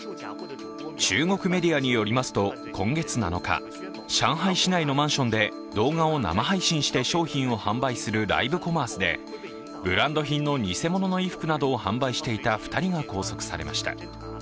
中国メディアによりますと今月７日上海市内のマンションで動画を生配信して商品を販売するライブコマースでブランド品の偽物の衣服などを販売していた２人が拘束されました。